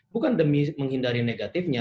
bukan demi menghindari negatifnya